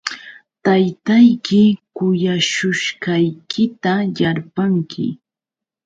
Taytayki kuyashushqaykita yarpanki.